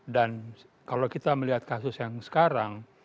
dan kalau kita melihat kasus yang sekarang